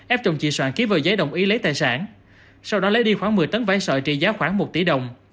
ép chồng chị soạn ký vào giấy đồng ý lấy tài sản sau đó lấy đi khoảng một mươi tấn vải sợi trị giá khoảng một tỷ đồng